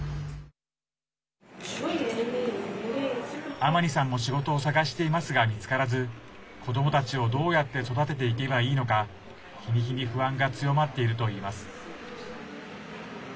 アマニさんも仕事を探していますが見つからず子どもたちをどうやって育てていけばいいのか日に日に不安が強まっているといいます。